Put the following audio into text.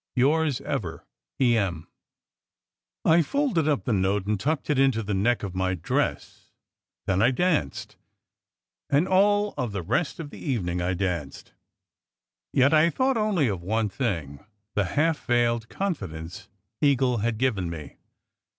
Yours ever, E. M." I folded up the note and tucked it into the neck of my dress. Then I danced. And all the rest of the evening I danced. Yet I thought only of one thing: the half veiled confidence Eagle had given me.